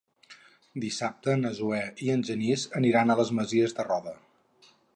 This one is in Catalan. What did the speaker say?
Dissabte na Zoè i en Genís aniran a les Masies de Roda.